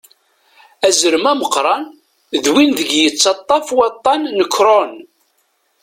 Aẓrem ameqṛan d win deg yettaṭṭaf waṭan n Krhon.